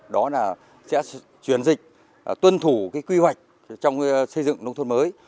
đó là sẽ chuyển dịch tuân thủ cái quy hoạch trong xây dựng nông thôn mới